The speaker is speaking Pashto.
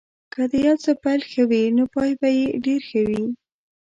که د یو څه پيل ښه وي نو پای به یې ډېر ښه وي.